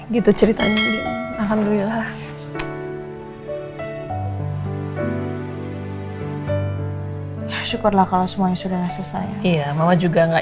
gitu ceritanya alhamdulillah syukurlah kalau semuanya sudah selesai iya mama juga nggak